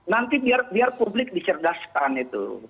nanti biar publik dicerdaskan itu